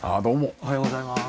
おはようございます。